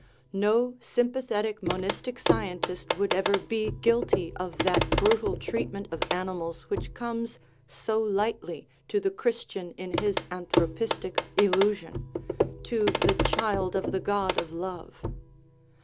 No sympathetic monistic scientist would ever be guilty of that brutal treatment of ani mals which comes so lightly to the Christian in his anthropistic illusion to the " child of the God of love."